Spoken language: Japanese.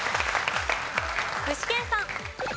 具志堅さん。